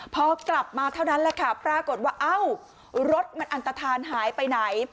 พอกลับมาเท่านั้นแหละค่ะปรากฏว่าเอ้ารถมันอันตฐานหายไปไหน